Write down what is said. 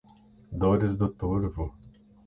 Dores do Turvo